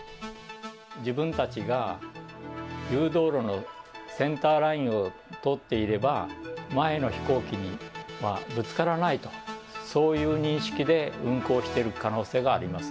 自分たちが誘導路のセンターラインを通っていれば、前の飛行機にはぶつからないと、そういう認識で運航している可能性があります。